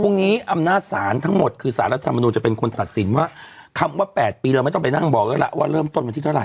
อำนาจศาลทั้งหมดคือสารรัฐมนุนจะเป็นคนตัดสินว่าคำว่า๘ปีเราไม่ต้องไปนั่งบอกแล้วล่ะว่าเริ่มต้นวันที่เท่าไห